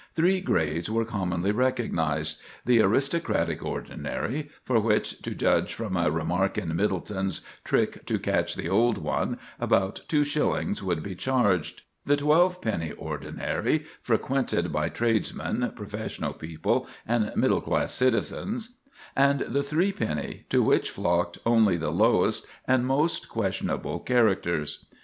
Three grades were commonly recognized—the aristocratic ordinary, for which, to judge from a remark in Middleton's "Trick to Catch the Old One," about two shillings would be charged; the twelvepenny ordinary, frequented by tradesmen, professional people, and middle class citizens; and the threepenny, to which flocked only the lowest and most questionable characters.